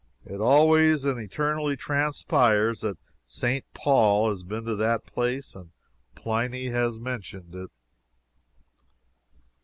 It always and eternally transpires that St. Paul has been to that place, and Pliny has "mentioned" it.